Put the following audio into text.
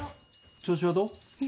調子はどう？